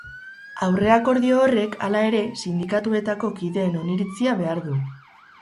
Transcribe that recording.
Aurreakordio horrek, hala ere, sindikatuetako kideen oniritzia behar du.